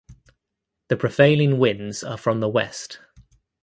The prevailing winds are from the west.